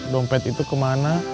dompet itu kemana